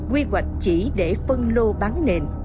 quy hoạch chỉ để phân lô bán nền